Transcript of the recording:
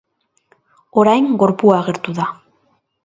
Orain, gorpua agertu da.